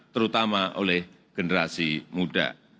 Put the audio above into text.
terutama oleh generasi muda